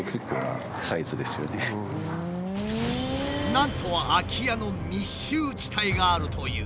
なんと空き家の密集地帯があるという。